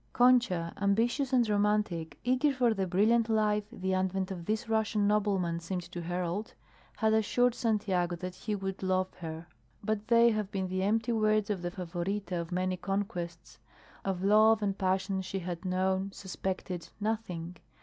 Concha, ambitious and romantic, eager for the brilliant life the advent of this Russian nobleman seemed to herald, had assured Santiago that he would love her; but they had been the empty words of the Favorita of many conquests; of love and passion she had known, suspected, nothing.